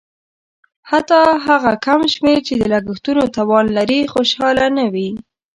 حتی هغه کم شمېر چې د لګښتونو توان لري خوشاله نه وي.